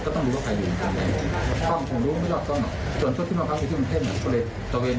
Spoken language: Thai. ทุกร้านหรือร้านไหน